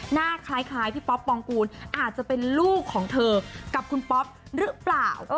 หน้าคล้ายพี่ป๊อปปองกูลอาจจะเป็นลูกของเธอกับคุณป๊อปหรือเปล่า